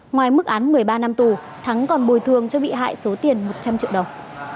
ngoài mức án một mươi ba năm tù thắng còn bồi thương cho bị hại số tiền một trăm linh triệu đồng